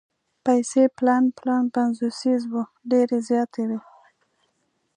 پیسې پلن پلن پنځوسیز وو ډېرې زیاتې وې.